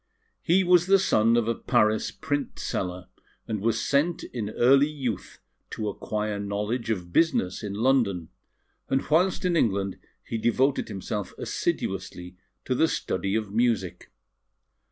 He was the son of a Paris print seller, and was sent in early youth to acquire knowledge of business in London; and whilst in England he devoted himself assiduously to the study of music.